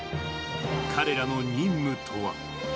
彼らの任務とは。